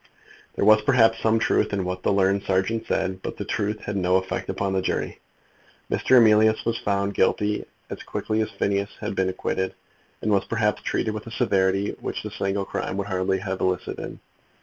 There was, perhaps, some truth in what the learned serjeant said, but the truth had no effect upon the jury. Mr. Emilius was found guilty as quickly as Phineas Finn had been acquitted, and was, perhaps, treated with a severity which the single crime would hardly have elicited.